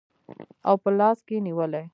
او په لاس کې نیولي